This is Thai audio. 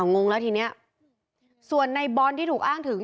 งงแล้วทีนี้ส่วนในบอลที่ถูกอ้างถึง